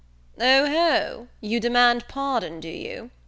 "O ho, you demand pardon, do you?"